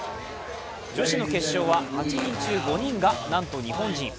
女子の決勝は８人中５人が、なんと日本人。